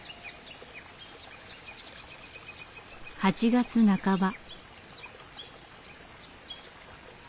８月半ば。